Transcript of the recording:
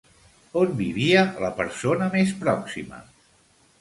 On vivia la persona més pròxima?